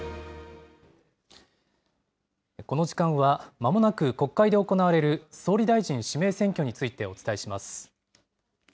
まもなく行われる総理大臣指名選挙についてお伝えします。